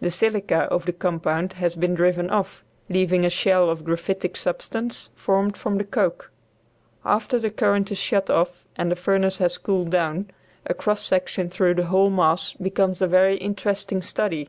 The silica of the compound has been driven off, leaving a shell of graphitic substance formed from the coke. After the current is shut off and the furnace has cooled down, a cross section through the whole mass becomes a very interesting study.